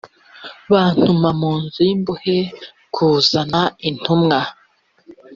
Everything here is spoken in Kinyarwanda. batuma mu nzu y imbohe kuzana intumwa